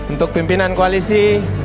untuk pimpinan koalisi